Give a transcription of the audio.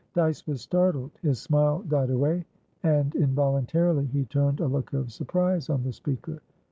Dyce was startled. His smile died away, and, involuntarily, he turned a look of surprise on the speaker.